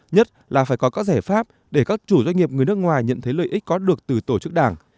nhất là phải có các giải pháp để các chủ doanh nghiệp người nước ngoài nhận thấy lợi ích có được từ tổ chức đảng